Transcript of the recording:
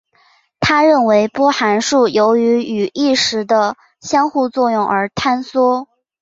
他认为波函数由于与意识的相互作用而坍缩。